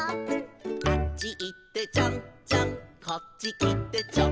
「あっちいってちょんちょんこっちきてちょん」